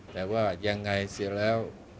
แต่ว่ายังไงเสียแล้ว